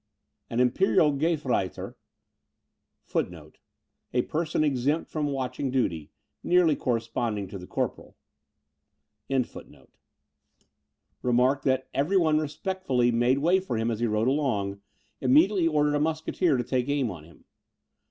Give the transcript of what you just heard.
An imperial Gefreyter, [A person exempt from watching duty, nearly corresponding to the corporal.] remarking that every one respectfully made way for him as he rode along, immediately ordered a musketeer to take aim at him.